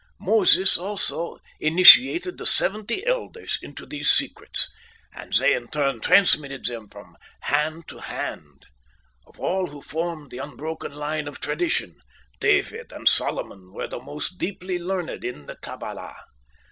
Moses also initiated the Seventy Elders into these secrets, and they in turn transmitted them from hand to hand. Of all who formed the unbroken line of tradition, David and Solomon were the most deeply learned in the Kabbalah.